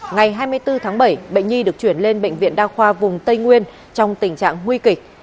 ngày hai mươi bốn tháng bảy bệnh nhi được chuyển lên bệnh viện đa khoa vùng tây nguyên trong tình trạng nguy kịch